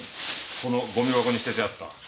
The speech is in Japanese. そのゴミ箱に捨ててあった。